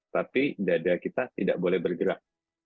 tapi dada kita tidak boleh bergerak